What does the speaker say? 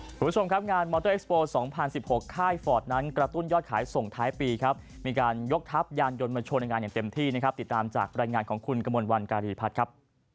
คุณผู้ชมครับงานมอเตอร์เอสโปร์๒๐๑๖ค่ายฟอร์ดนั้นกระตุ้นยอดขายส่งท้ายปีครับมีการยกทัพยานยนต์มาโชว์ในงานอย่างเต็มที่นะครับติดตามจากรายงานของคุณกระมวลวันการีพัฒน์ครับ